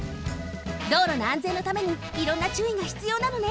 道路のあんぜんのためにいろんなちゅういがひつようなのね。